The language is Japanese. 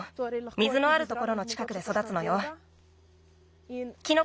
水のあるところのちかくでそだつのよ。